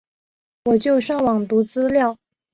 我就上网读资料